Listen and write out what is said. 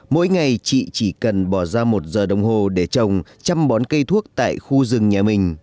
mỗi ngày chị chỉ cần bỏ ra một giờ đồng hồ để trồng chăm bón cây thuốc tại khu rừng nhà mình